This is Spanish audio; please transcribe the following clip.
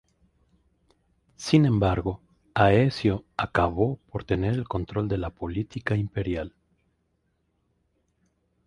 Sin embargo, Aecio acabó por tener el control de la política imperial.